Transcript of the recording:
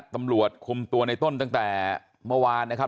ตำรวจคุมตัวในต้นตั้งแต่เมื่อวานนะครับ